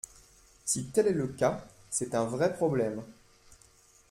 Si tel est le cas, c’est un vrai problème.